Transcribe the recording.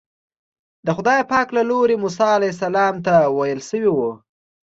د خدای پاک له لوري موسی علیه السلام ته ویل شوي وو.